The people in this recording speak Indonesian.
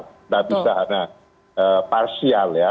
tidak bisa hanya parsial ya